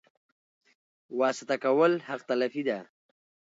واسطه کول حق تلفي ده